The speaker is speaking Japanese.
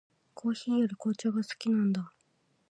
コーヒーより紅茶が好きなんだ。